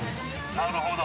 なるほど。